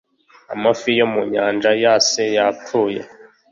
amafi yo mu nyanja yase yapfuye